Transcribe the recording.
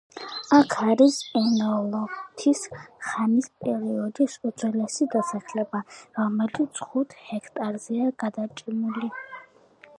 აქ არის ენეოლითის ხანის პერიოდის უძველესი დასახლება, რომელიც ხუთ ჰექტარზეა გადაჭიმული.